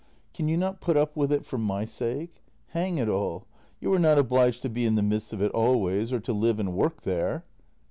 Can you not put up with it for my sake? Hang it all, you are not obliged to be in the midst of it always, or to live and work there!